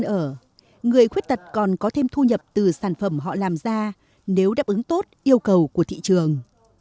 cùng với việc hỗ trợ chi phí ăn ở người khuyết tật còn có thêm thu nhập từ sản phẩm họ làm ra nếu đáp ứng tốt yêu cầu của thị trường